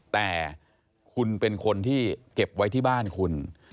แต่คุณเป็นคนที่เก็บไว้ที่บ้านคุณ